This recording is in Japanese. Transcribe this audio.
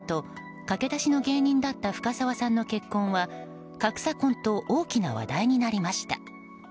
当時ブレーク中だった田中さんと駆け出しの芸人だった深沢さんの結婚は格差婚と大きな話題になりました。